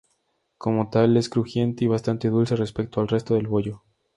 Como tal, es crujiente y bastante dulce respecto al resto del bollo.